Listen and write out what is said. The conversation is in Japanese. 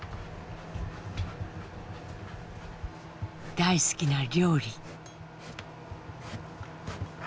大好きな料理。